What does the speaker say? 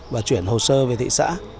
và chuyển hồ sơ về thị xã